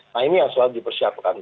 nah ini yang selalu dipersiapkan